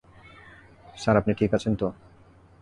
Sir, আপনি ঠিক আছেন তো?